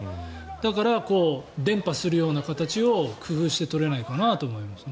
だから、伝播するような形を工夫して取れないかなと思います。